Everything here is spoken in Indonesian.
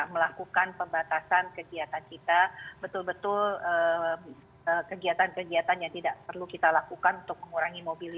melakukan pembatasan kegiatan kita betul betul kegiatan kegiatan yang tidak perlu kita lakukan untuk mengurangi mobilitas